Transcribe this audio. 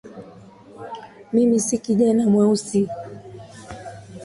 Mimi si kijana mweusi